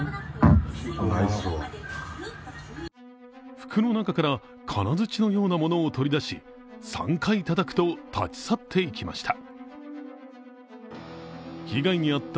服の中から金づちのようなものを取り出し３回たたくと立ち去っていきました。